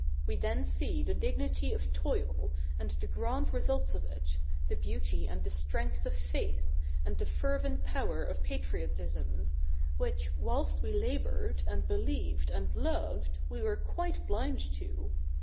We then see the dignity of toil, and the grand results of it, the beauty and the strength of faith, and the fervent power of patriotism ; which, whilst we laboured, and believed, and loved, we were quite blind to.